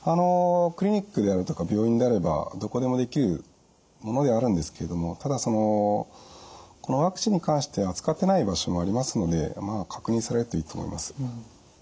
クリニックであるとか病院であればどこでもできるものではあるんですけどもただそのこのワクチンに関して扱ってない場所もありますので確認されるといいと思います。